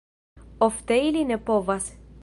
Ofte ili ne povas.